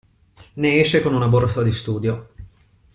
Ne esce con una borsa di studio.